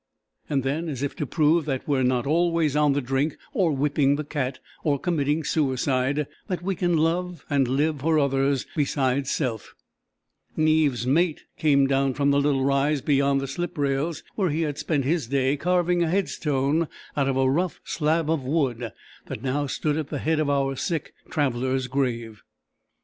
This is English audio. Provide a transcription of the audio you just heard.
And then, as if to prove that we are not always on the drink, or "whipping the cat, or committing suicide," that we can love and live for others besides self, Neaves' mate came down from the little rise beyond the slip rails, where he had spent his day carving a headstone out of a rough slab of wood that now stood at the head of our sick traveller's grave.